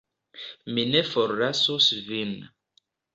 Mi ne forlasos Vin.